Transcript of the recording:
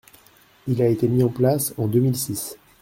Il a été mis en place en deux mille six.